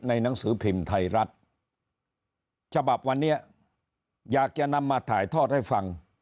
หนังสือพิมพ์ไทยรัฐฉบับวันนี้อยากจะนำมาถ่ายทอดให้ฟัง